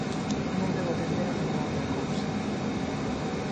Non debo atender a ningunha outra cousa...